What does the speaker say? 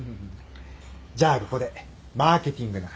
じゃあここでマーケティングの話。